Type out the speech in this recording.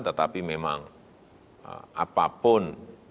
tetapi memang apapun